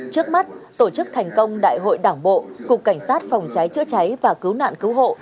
trước mắt tổ chức thành công đại hội đảng bộ cục cảnh sát phòng cháy chữa cháy và cứu nạn cứu hộ